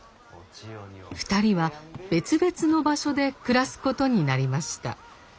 ２人は別々の場所で暮らすことになりました。